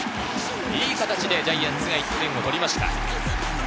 いい形でジャイアンツが１点を取りました。